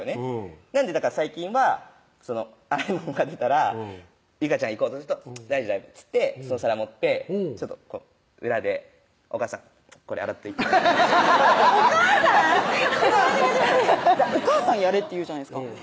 なんで最近は洗い物が出たら有果ちゃん行こうとすると「大丈夫大丈夫」っつってその皿持って裏で「お母さんこれ洗っといて」お母さん？待って待って待って「お母さんやれ」って言うじゃないですか